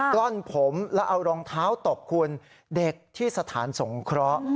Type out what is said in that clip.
กล้อนผมแล้วเอารองเท้าตบคุณเด็กที่สถานสงเคราะห์